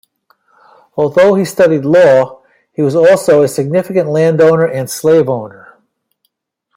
Although he studied law, he was also a significant landowner and slave owner.